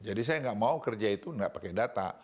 jadi saya tidak mau kerja itu tidak pakai data